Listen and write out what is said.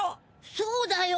そうだよ。